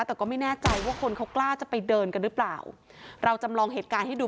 แต่ก็ไม่แน่ใจว่าคนเขากล้าจะไปเดินกันหรือเปล่าเราจำลองเหตุการณ์ให้ดู